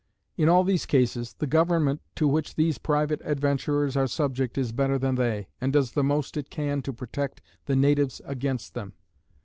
In all these cases, the government to which these private adventurers are subject is better than they, and does the most it can to protect the natives against them.